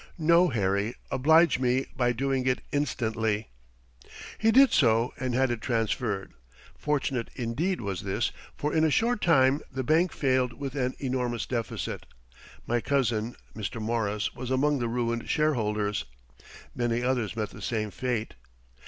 "No, Harry, oblige me by doing it instantly." He did so and had it transferred. Fortunate, indeed, was this, for in a short time the bank failed with an enormous deficit. My cousin, Mr. Morris, was among the ruined shareholders. Many others met the same fate.